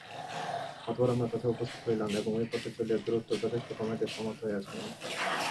অতঃপর আমরা তথায় উপস্থিত হইলাম এবং ঐ পথে চলিয়া দূরত্ব যথেষ্ট কমাইতে সমর্থ হইয়াছিলাম।